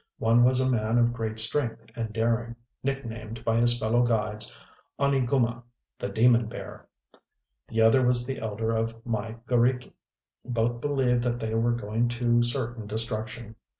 One was a man of great strength and daring, nick named by his fellow guides, Oni guma, ŌĆ£the Demon Bear, ŌĆØ the other was the elder of my g┼Źriki. Both believed that they were going to certain destruction.